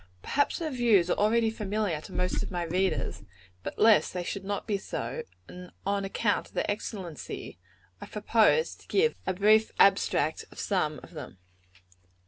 Perhaps her views are already familiar to most of my readers; but lest they should not be so, and on account of their excellency, I propose to give a brief abstract of some of them.